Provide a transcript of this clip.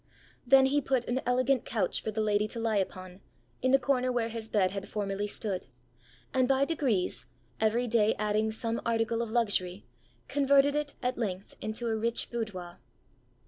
Then he put an elegant couch for the lady to lie upon, in the corner where his bed had formerly stood; and, by degrees, every day adding some article of luxury, converted it, at length, into a rich boudoir.